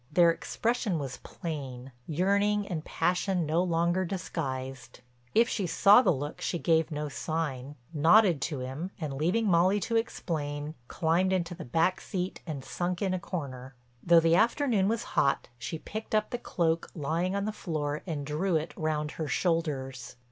Their expression was plain, yearning and passion no longer disguised. If she saw the look she gave no sign, nodded to him, and, leaving Molly to explain, climbed into the back seat and sunk in a corner. Though the afternoon was hot she picked up the cloak lying on the floor and drew it round her shoulders.